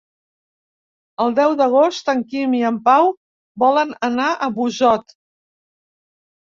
El deu d'agost en Quim i en Pau volen anar a Busot.